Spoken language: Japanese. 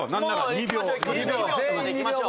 ２秒とかでいきましょう。